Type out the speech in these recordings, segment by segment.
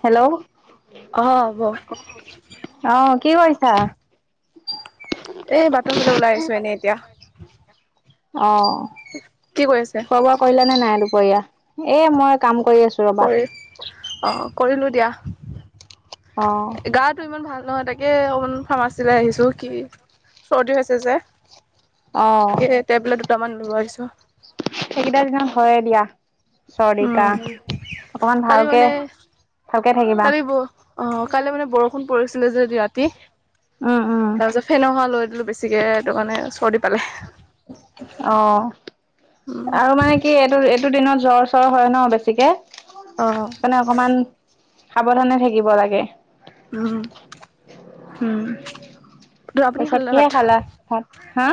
Hello. অ হ'ব [inaudible] অ', কি কৰিছা? এ, বাটৰ ফালে ওলাই আহিছো এনেই এতিয়া। অ', কি কৰি আছে খোৱা বোৱা কৰিলানে নাই দুপৰীয়া, এই মই কাম কৰি আছো ৰ'বা। কৰি অ', কৰিলো দিয়া। অ গাটো ইমান ভাল নহয় তাকে অকমান ফাৰ্মাচীলে আহিছো কি, চৰ্দি হৈছে যে। অ এ টেবলেট দুটামান নিব আহিছো। সেইকেইটা দিনত হয়ে দিয়া। চৰ্দি উম, কাহ। অকমান কালি ভালকে মানে ভালকে থাকিবা। কালি ব অ', কালি মানে বৰষুণ পৰিছিলে যে ৰাতি। উম উম। তাৰপিছত ফেনৰ হাৱা লৈ দিলো বেছিকে, এইটো কাৰণে চৰ্দি পালে। অ', উম আৰু মানে কি এইটো-এইটো দিনত জ্বৰ চ্বৰ হয় ন বেছিকে। উম মানে অকমান, সাৱধানে থাকিব লাগে। উম, আপুনি তাৰপিছত খালে নে কিহে ভাত খালা ভাত, হা?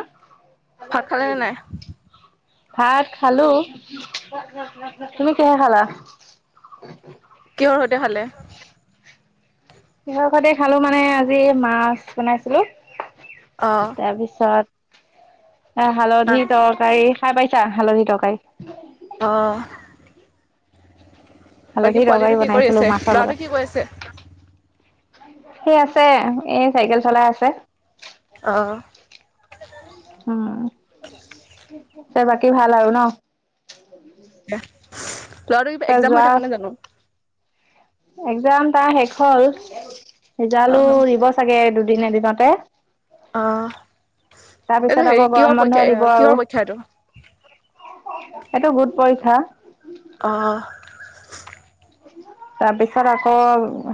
ভাত খালে নে নাই [unintelligible] ভাত খালো, তুমি কিহে খালা? কিহৰ সৈতে খালে? কিহৰ সৈতে খালো মানে আজি মাছ বনাইছিলো। অ তাৰপিছত এ, হালধি তৰকাৰী খাই পাইছা হালধি তৰকাৰী? অ। বাকী হালধি তৰকাৰী পোৱালিটো কি কৰি বনাইছিলো আছে? মাছৰ ল'ৰাটো কি কৰি আছে? লগত। সি আছে এ, চাইকেল চলাই আছে। অ। উম বাকী ভাল আৰু ন। [inaudible] ল'ৰাটোৰ ত কিবা এক্জাম হৈ যোৱা থকা নাই জানোঁ। এক্জাম তাৰ শেষ হ'ল, ৰিজালো অ'। দিব চাগে এই দুদ দিন এদিনতে। অ'। এইটো তাৰপিছত হেৰি আকৌ কিহৰ পৰীক্ষা গৰমবন্ধ এ দিব কিহৰ আৰু। পৰীক্ষা এইটো? [inaudible] সেইটো গোট পৰীক্ষা। অ'। [unintelligible] তাৰ পিছত আকৌ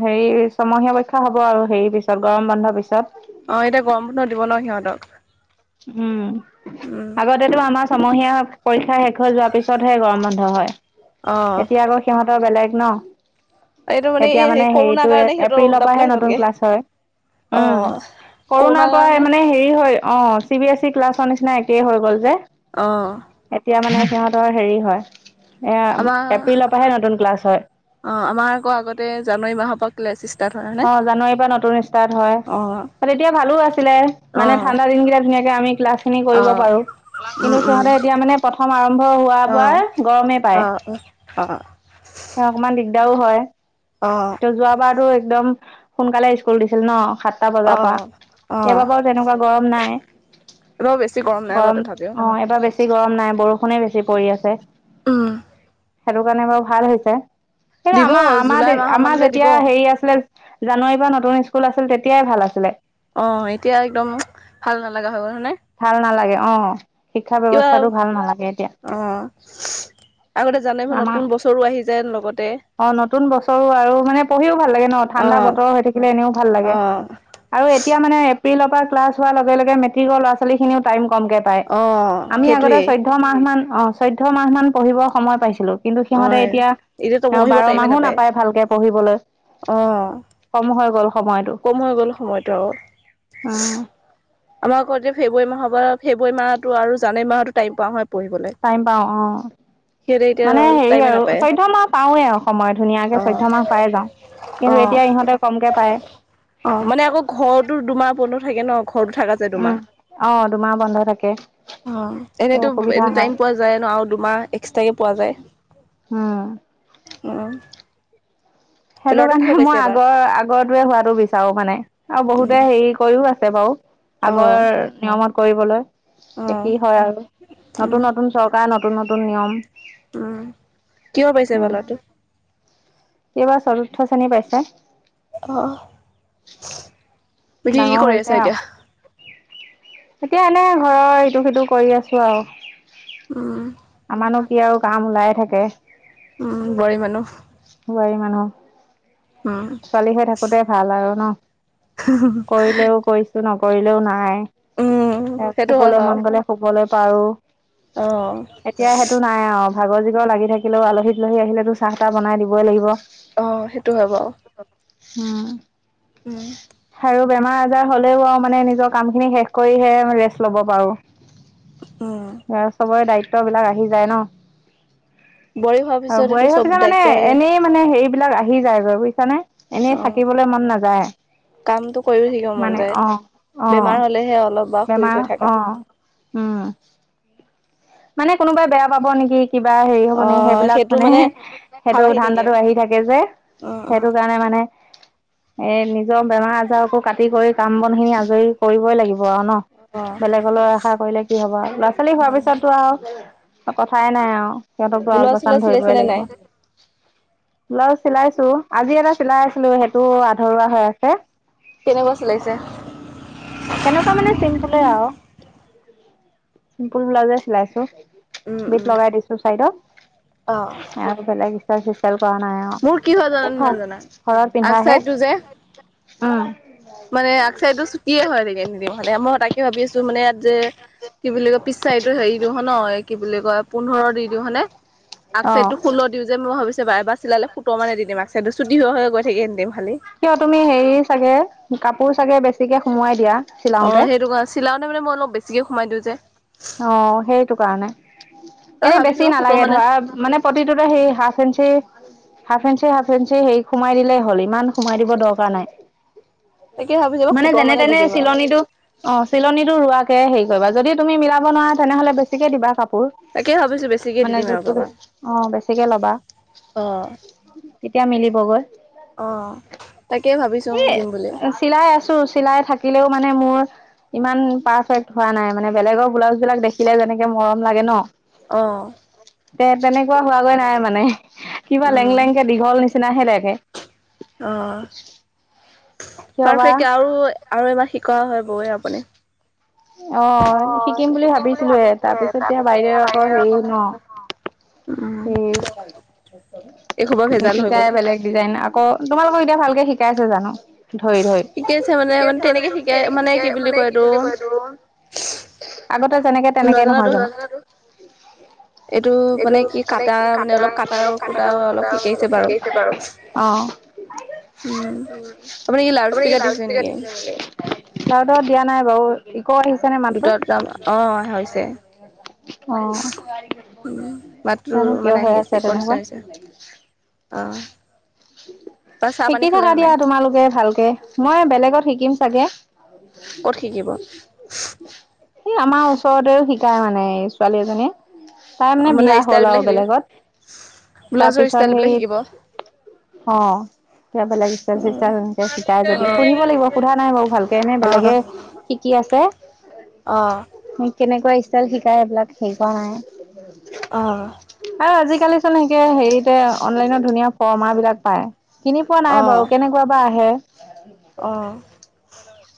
হেৰি ছমহীয়া পৰীক্ষা হব আৰু হেৰি পিছত, গৰম বন্ধৰ পিছত। অ', এতিয়া গৰমবন্ধ দিব ন সিহঁতক। উম, উম। আগতেটো আমা ছমহীয়া পৰীক্ষা শেষ হৈ যোৱাৰ পিছতহে গৰমবন্ধ হয়, অ'। এতিয়া আকৌ সিহঁতৰ বেলেগ। ন? এইটো এই এতিয়া হেৰি মানে কৰোণাৰ হেৰিটো কাৰণে সিহঁতৰ এ-এপ্ৰিলৰ উল্টা পুল্টা পৰাহে হৈ নতুন গ'লগে। ক্লাছ হয়। উম, অ'। কৰোণাৰ পৰাই মানে হেৰি হৈ অ', চি বি এছ ই ক্লাছৰ নিচিনা একেই হৈ গ'ল যে। অ'। এতিয়া মানে সিহঁতৰ হেৰি হয়। এয়া, আমাৰ এপ্ৰিলৰ পাহে নতুন ক্লাছ হয়। অ', আমাৰ আকৌ আগতে জানুৱাৰী মাহৰ পৰা ক্লাছ ষ্টাৰ্ট হয় হয়নে? অ', জানুৱাৰীৰ পৰা নতুন ষ্টাৰ্ট হয়। অ', তেতিয়া ভালো আছিলে, মানে অ', ঠাণ্ডা দিন কেইটা ধুনীয়াকে আমি ক্লাছ খিনি কৰিব অ', পাৰো। উম, কিন্তু উম, সিহঁতে এতিয়া মানে প্ৰথ আৰম্ভ হোৱাৰ অ', পৰা গৰমে পায়। অ', অ', অকমান দিগদ দাও হয়, অ'। ত যোৱাবাৰতো একদম সোনকালে স্কুল দিছিল ন। সাতটা বজাৰ পৰা। অ', অ', এইবাৰ বাৰু তেনেকুৱা গৰম নাই। বৰ বেছি নাই বাৰু গৰম তথাপিও। অ', এইবাৰ বেছি গৰম নাই বৰষুণে বেছি পৰি আছে। উম, সেইটো কাৰণে বাৰু ভাল হৈছে। কিন্তু দিব জুলাই মাহৰ আমাৰ-আমাৰ-আমাৰ মানলৈ দিব যেতিয়া হেৰি আছ জানুৱাৰীৰ পৰা নতুন স্কুল আছিল তেতিয়াই ভাল আছিলে। অ', এতিয়া একদম ভাল নালাগা হৈ গ'ল হয় নে? ভাল নালাগে অ', শিক্ষা কিবা ব্যৱস্থাটো ভাল নালাগে এতিয়া। অ', আগতে জানে ম আমাৰ নতুন বছৰো আহি যায় লগতে। অ', নতুন বছৰো আৰু মানে পঢ়িও ভাল লাগে ন ঠাণ্ডা অ', বতৰ হৈ থাকিলে এনেও ভাল লাগে। অ', আৰু এতিয়া মানে এপ্ৰিলৰ পৰা ক্লাছ হোৱাৰ লগে-লগে মেট্ৰিকৰ ল'ৰা ছোৱালী খিনিও টাইম কমকে পায়, অ', আমি আগতে সেইটোৱেই চৈধ্য মাহমান অ', চৈধ্যমাহ মান পঢ়িব সময় পাইছিলো। কিন্তু সিহঁতে অ', এতিয়া, এতিয়াতো এ পঢ়িব টাইমে বাৰমাহো নাপায় ভালকে পঢ়িবলৈ। অ', কম হৈ গ'ল সময়। কম হৈ গ'ল সময়টো আৰু উম [inaudible] আমাৰ আকৌ এতিয়া ফেব্ৰুৱাৰী মাহৰ পৰা ফেব্ৰুৱাৰী মাহতো আৰু জানুৱাৰী মাহতো টাইম পোৱাা হয়। পঢ়িবলৈ। টাইম পাওঁ অ'। সিহঁতে এতিয়া মানে হেৰি টাইমে আৰু নাপায় চৈধ্য মাহ পাওঁৱেই আৰু সময় ধুনীয়াকে চৈধ্য মাহ পাই যাওঁ। অ', কিন্তু অ'। এতিয়া ইহঁতে কমকে পায়। অ', মানে আকৌ ঘৰতো দুমাহ বন্ধ থাকে ন ঘ উম, অ', দুমাহ বন্ধ থাকে। অ', এনেইতো অসুবিধা এনে টাইম হয় পোৱা যায়ে ন আৰু দুমাহ এক্সট্ৰাকে পোৱা যায়। উম [unintelligible] সেইটো ল'ৰাটো কাৰণে কিহৰ পাইছে মই এবাৰ? আগৰ আগৰতোৱে হোৱাটো বিচাৰো মানে, আৰু বহুতে উম হেৰি কৰিও আছ চে বাৰু, অ আগৰ নিয়মত কৰিবলৈ। অ কি হয় আৰু। উম নতুন-নতুন চৰকাৰ নতুন-নতুন নিয়ম। উম, কিয় পাইছে বা ল'ৰাটো। সি এইবাৰ চতুৰ্থ শ্ৰেণী পাইছে। দি কি ডাঙৰ কৰি হৈছে আছা এতিয়া? আৰু এতিয়া এনে ঘৰৰ ইটো সিটো কৰি আছো আৰু। উম। আমানো কি আৰু কাম ওলাইয়ে থাকে। উম, বোৱাৰী মানুহ। বোৱাৰী উম মানুহ। ছোৱালী হৈ থাকোতেই ভাল আৰু ন? ক'ৰিলেও কৰিছো ন'কৰিলেও নাই। উম এ সেইটো হয় শুবলৈ বাৰু মন গলে শুবলৈ পাৰো। অ এতিয়া সেইটো নাই আৰু, ভাগৰ জোগৰ লাগি থাকিলেও আলহী দূলহী আহিলেতো চাহ তাহ বনাই দিবই লাগিব। অ', সেইটো হয় বাৰু। হুম। উম। আৰু বেমাৰ আজাৰ হলেও আৰু মানে নিজৰ কাম খিনি শেষ কৰিহে ৰেষ্ট লব পাৰোঁ। উম ঘৰত চবৰে দায়িত্ববিলাক আহি যায় ন। বোৱাৰী হোৱাৰ অ', পিছত এইটো বোৱাৰী হৈ চব পিছা মানে দায়িত্ব আহে এনেই মানে হেৰি বিলাক আহি যায়গৈ বুজিছা নে। অ এনেই থাকিবলে মন নাযায়। কামটো কৰিও থাকিব মন মানে যায় অ', বেমাৰ অ', হলেহে অলপ বা শুই বেমাৰ গৈ থাকা অ'। উম। মানে কোনোবাই বেয়া পাব নেকি। কিবা হেৰি হব নেকি অ' সেইবিলাক সেইটো মানে, সেইটো ভাৱ আহি থাকে। ধান্দাটো আহি থাকে যে। অ' সেইটো কাৰণে মানে। এ, নিজৰ বেমাৰ আজাৰকো কাটি কৰি কাম বন খিনি আজৰি কৰিবই লাগিব ব আৰু ন। অ' বেলেগলৈ আশা কৰিলে কি হব ল'ৰা ছোৱালী হোৱাৰ পিছতো আৰু কথাই নাই আৰু, সিহঁতকতো আল ব্লাউজ পচান চিলাউজ চিলাইছে ধৰিবই নে নাই? লাগিব। ব্লাউজ চিলাইছো, আজি এটা চিলাই আছিলো সেইটো আধৰুৱা হৈ আছে। কেনেকুৱা চিলাইছে [inaudible] কেনেকুৱা মানে চিম্পুলে আৰু, চিম্পুল ব্লাউজে চিলাইছো। উম উম বিত লগাই দিছো চাইডত। অ' তাৰ পিছতে ইষ্টাইল চিষ্টাইল কৰা নাই আও মোৰ কি হয় জানানে নাজানা? [inaudible] ঘৰত আগ পিন্ধাহে, চাইডটো যে উম। মানে আগচাইটো ছুটিয়ে হৈ থাকে নিদিম হলে, মই তাকে ভাবি আছো মানে ইয়াত যে কি বুলি কয় পিছচাইটো হেৰি দিওঁ হন কি বুলি কয় পোন্ধৰ দি দিওঁ হনে? আগ চাইডটো অ'। ষোল্ল দিওঁ যে, মই ভাবিচো বাৰে বাৰে চিলালে সোতৰ মান দি দিম আগ চাইডত চুটি হৈ গৈ থাকে দেউ। কিয় তুমি হেৰি চাগে, কাপোৰ চাগে বেছিকে সুমোৱাই দিয়া। অ', চিলাওতে সেইটো কাৰণ চলাওঁতে মানে মই অলপ বেছিকে সোমাই দিওঁ যে। অ', সেইটো কাৰণে। তই এনে ভাবিছো বেছি সোতৰ নালাগে মানে ধৰা মানে প্ৰতিটোতে সেই half inch. Half inch, half inch হেৰি সোমাই দিলে হ'ল, ইমান সোমাই দিব দৰকাৰ নাই। তাকে ভাবিছো মানে সোতৰ যেনে দি তেনে দিম আৰু। চিলনিটো অ', চিলনীটো ৰোৱা তে হেৰি কৰিবা যদি তুমি মিলাব নোৱাৰা তেনেহ'লে বেছিকে দিবা কাপ পোৰ, তাকে ভাবিছো বেছিকে দি মানে দিম আৰু জুখটো বেছ পাপাক। অ', বেছিকে ল'বা। অ'। তিয়া মিলিবগৈ। অ', তাকে ভাবিছো এ, দিম বুলি চিলাই আছো চিলাই থাকিলেও মানে মোৰ ইমান পাৰফেক্ট হোৱা নাই মানে বেলেগৰ ব্লাউজ বিলাক দেখিলে যেনেকে মৰম লাগে ন। অ'। তে-তেনেকুৱা হোৱাগৈ নাই মানে, কিবা লেং উম। লেংকে দীঘল নিচিনাহে লাগে। অ', কিয় বা পাৰফেকট আৰু আৰু এবাৰ শিকোৱা হয় গৈ আপুনি অ', শিকিম বুলি ভাবিছিলোয়ে তাৰপিছত এতিয়া বাইদেও আকৌ হেৰি ন। উম। এই সোপা [unintelligible] ভেজাল হৈ মিতিকাই গ'ল। বেলেগ ডিজাইন আক ক, তোমালোকক এতিয়া ভালকে শিকাইছে জানো? ধৰি-ধৰি। সিকাইছে মানে তেনেকে শিকাই মানে কি বুলি কয় তোৰ আগতে যেনেকে তেনেকেই নজনা নহয় দোষ জানো? এইটো মানে কি কাট তাৰ মানে অলপ কাটাৰ কুটাৰো অলপ শিকাইছে বাৰু। [unintelligible] উম, আপুনি কি লাউত স্পীকাৰত দিছে মানে। লাউত দিয়া নাই বাৰু, ইক' আহিছে নি মাতটো দুটা [inaudible] দুটা অ', হৈছে অ' উম, [inaudible] মাতটো জানো কিয় মানে হৈ আহি আছে কনচা তেনেকুৱা [inaudible] হৈছে অ'। বা চাহ পানী শিকি খালে থাকা নে দিয়া নাই তোমালোকে ভালকে, মই বেলেগত শিকিম চাগে। ক'ত শিকিব [inaudible] ই আমাৰ ওচৰতেও শিকায় মানে ছোৱালী এজনীয়ে। তাই মানে বিয়া ষ্টাইল হ'ল বিলাক আৰু শিকিব বেলেগত। ব্লাউজৰ ষ্টাইল তাৰপিছত বিলাক শিকিব। অ', হেৰী অ'। এয়া বেলেগ ইষ্টাইল চিষ্টাইল এনেকে শিকাই যদি সুধিব লাগিব সোধা নাই বাৰু ভালকে, এনে বেলেগে শিকি আছে অ'। কেনেকুৱা ষ্টাইল শিকাই এইবিলাক হেৰি কৰা নাই। অ', এ, আজিকালি চোন সেকে হেৰিতে অনলাইনত ধুনীয়া ফৰ্মা বিলাক পায়। কিনি পোৱা নাই অ', বাৰু কেনেকুৱা বা আহে। অ'।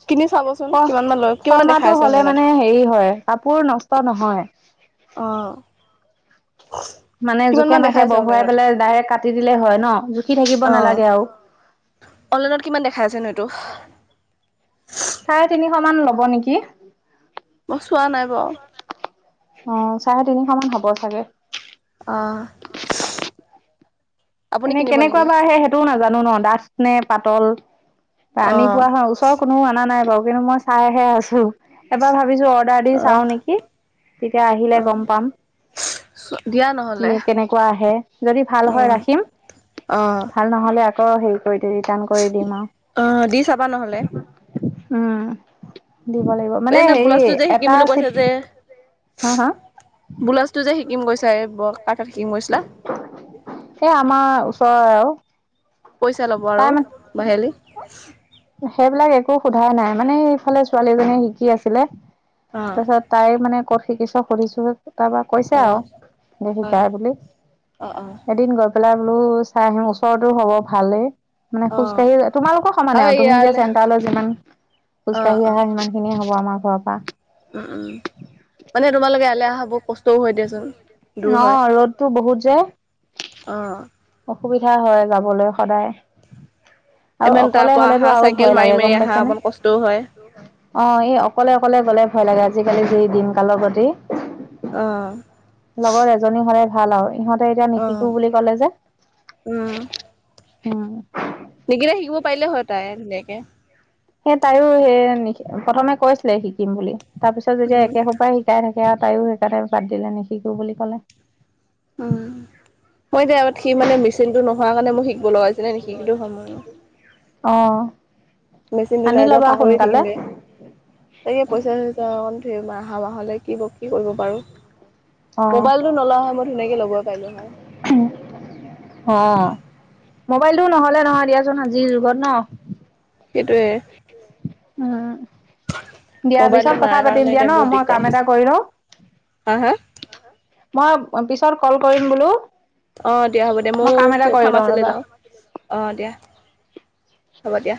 কিনি চাবচোন কিমান মান লয় কিমান মান দেখাই ফ-ফৰ্মাটো আছে হলে অনলাইনত মানে হেৰি হয় কাপোৰ নষ্ট নহয়। অ' [inaudible] মানে জোখে মান মাখে দেখাই আছে বহুৱাই অনলাইনত পেলাই ডাইৰেক্ট কাটি দিলে হয় ন, জুখি থাকিব অ', নালাগে আৰু। অনলাইনত কিমান দেখাই আছেনো এইটো? চাৰে তিনিশ মান ল'ব নেকি। মই চোৱা নাই বাৰু। অ', চাৰে তিনিশ মান হ'ব চাগে। অ', আপুনি এনে কিনিব কেনেকুৱা নেকি বা আহে সেইটোওঁ নাজানো ন ডাঠ নে পাতল? আনি অ', পোৱা হয়, ওচৰৰ কোনো আনা নাই বাৰু কিন্তু মই চাইহে আছো। এবাৰ ভাবি ভাবিছো অৰ্ডাৰ দি চাওঁ অ', নেকি, তেতিয়া আহিলে অ', গম পাম। দিয়া নহ'লে যিয়ে কেনেকুৱা আহে যদি ভাল হয় উম, ৰাখিম। অ'। দে আকৌ হেৰি কৰি দি ৰিটাৰ্ণ কৰি দিম অ', দি চাবা নহ'লে আৰু উম। দিব লাগিব মানে এনে হেৰি ব্লাউজটো যে শিকিম এটা বুলি কৈছে চিট, যে হা হা? ব্লাউজটো যে শিকিম গৈছা এই বৰ কাৰ ওচৰত শিকিম কৈছিলা? এই [unintelligible] পইচা লব তাই আৰু, মানে মাহেলী। সেইবিলাক একো সোধা নাই মানে এইফালে ছোৱালী এজনীয়ে শিকি আছিলে। অ তাৰপিছত তাই মানে কত শিকিছ সুধিছো। তাৰপৰা কৈছা অ আৰু যে হয় শিকাই বুলি। অ অ এদিন গৈ পেলাই বলো চাই আহো ওচৰতো হ'ব ভালেই, মানে অ খোজ কাঢ়ি তোমালোকৰ সমানেই আৰু, তুমি এতিয়া চেণ্টাৰলৈ যিমান অ খোজ কঢ়ি আহা সিমান খিনিয়ে হ'ব আমাৰ ঘৰৰ পৰা। উম্, উম্ মানে তোমালোকে এয়ালে অহা বহু কষ্ট তো হৈ দিয়াচোন, দূৰ ন হয় ৰ'দটো বহুত যে অ'। অসুবিধা হয় যাবলৈ সদায়। আৰু ইমান তাৰ অকলে পৰা হ'লেতো আহা আৰু চাইকেল ভয় মাৰি লাগে মাৰি গম আহা পাইছা নে? অকমান কষ্টও হয় অ' এই অকলে অকলে গ'লে ভয় লাগে, আজিকালি যি দিন কালৰ গতি। অ লগৰ এজনী হ'লে ভাল আৰু ইহঁতে এতিয়া নিশিকো বুলি কলে যে। উম্। উম্। নিকিতাই শিকিব পাৰিলে হয় তাই ধুনীয়াকে। সেই তাইও সেই নিশিক প্ৰথমে কৈছিলে শিকিম বুলি। তাৰপিছত যেতিয়া উম একে সোপায় শিকাই থাকে আৰু তাইয়ো সেইকাৰণে বাদ দিলে নিশিকো বুলি কলে। উম্। মইযে আগত সেই মানে মেচিনটো নোহোৱা কাৰণে মই শিকিব লগা হৈছিলে এনে নিশিকিলোঁ হয় মইওঁ। অ'। মেচিনটো আনি নাই যে ল'বা পাহৰি থাকিম সোনকালে গে, তাকেই পইচা-চইচা অনক সেই আহা মাহলে কি ব কি কৰিব পাৰোঁ। অ ম'বাইলটো নোলোৱা হয় মই ধুনীয়াকে ল'বয়ে পাৰিলো হয়। ম'বাইলটো নহ'লে নহয় দিয়াচোন আজিৰ যুগত ন? সেইটোৱে। উম্। দিয়া মোবাইলটো পিছত কথা নাই পাতিম কাৰণে দিয়া এতিয়া ন বহুত মই দিগদাৰ কাম এটা হৈছে কৰি লওঁ। হা হা মই পিছত ক'ল কৰিম বোলো। অ' দিয়া হ'ব দিয়া মই কাম এটা ময়ো কৰি লওঁ ফাৰ্মাচীলৈ ৰ'বা যাওঁ। অ' দিয়া। হ'ব দিয়া